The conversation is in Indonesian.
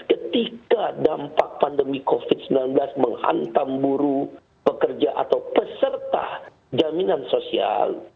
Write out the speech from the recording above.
ketika dampak pandemi covid sembilan belas menghantam buruh pekerja atau peserta jaminan sosial